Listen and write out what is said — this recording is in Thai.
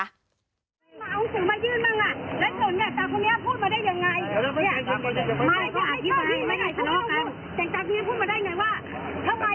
ใช่พี่ผู้ชมพูดอย่างงี้